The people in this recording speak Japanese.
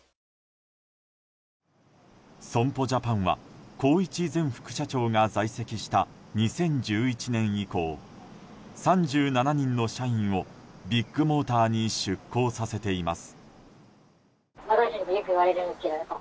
損保ジャパンは宏一前副社長が在籍した２０１１年以降、３７人の社員をビッグモーターに出向させています。